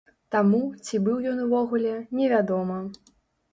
Таму, ці быў ён увогуле, не вядома.